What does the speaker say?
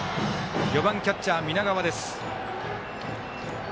４番、キャッチャー、南川です。